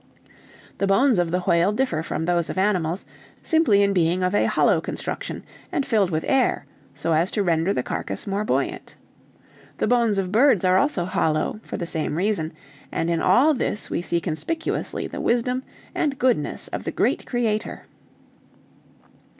"The bones of the whale differ from those of animals, simply in being of a hollow construction, and filled with air so as to render the carcass more buoyant. The bones of birds are also hollow, for the same reason, and in all this we see conspicuously the wisdom and goodness of the great Creator."